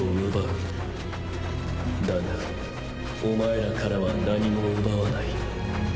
だがお前らからは何も奪わない。